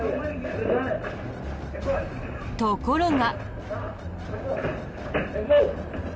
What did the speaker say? ところが。